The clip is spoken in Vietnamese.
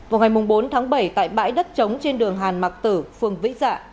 vào ngày bốn tháng bảy tại bãi đất trống trên đường hàn mạc tử phương vĩ dạ